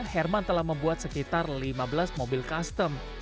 herman telah membuat sekitar lima belas mobil custom